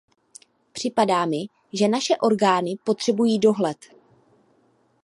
Připadá mi, že naše orgány potřebují dohled.